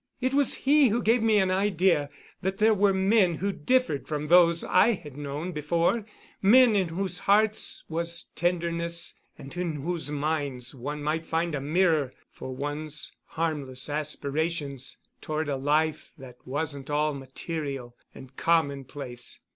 It was he who gave me an idea that there were men who differed from those I had known before—men in whose hearts was tenderness and in whose minds one might find a mirror for one's harmless aspirations toward a life that wasn't all material and commonplace.